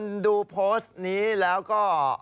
คุณดูโพสต์นี้แล้วก็